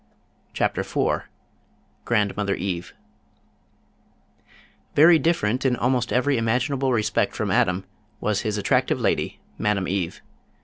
CHAPTER IV GRANDMOTHER EVE Very different in almost every imaginable respect from Adam was his attractive lady, Madame Eve.